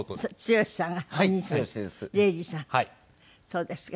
そうですか。